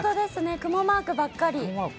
雲マークばっかり。